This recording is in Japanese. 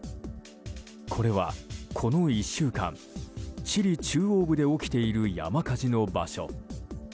これは、この１週間チリ中央部で起きている山火事の場所。